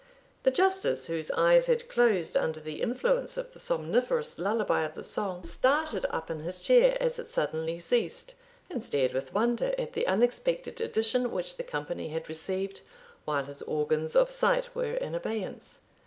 The Justice, whose eyes had closed under the influence of the somniferous lullaby of the song, started up in his chair as it suddenly ceased, and stared with wonder at the unexpected addition which the company had received while his organs of sight were in abeyance.